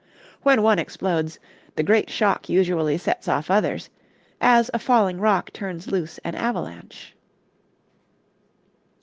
When one explodes, the great shock usually sets off others, as a falling rock turns loose an avalanche.